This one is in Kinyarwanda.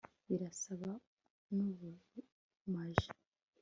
Birasa nubumaji